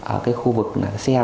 ở cái khu vực xe